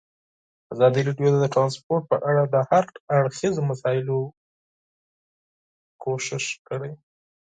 ازادي راډیو د ترانسپورټ په اړه د هر اړخیزو مسایلو پوښښ کړی.